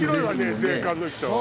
税関の人。